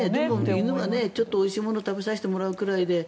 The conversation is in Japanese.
犬はちょっとおいしいものを食べさせてもらうくらいで。